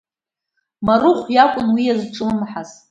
Марыхә иакәын уи иазҿлымҳаз.